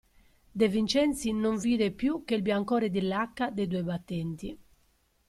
De Vincenzi non vide più che il biancore di lacca dei due battenti.